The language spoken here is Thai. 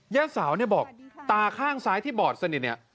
ย่าเสาบอกตาข้างซ้ายที่บอดสนิท